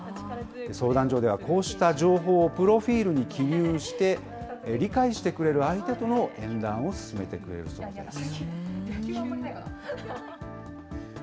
相談所ではこうした情報をプロフィールに記入して、理解してくれる相手との縁談を進めてくれるそうです。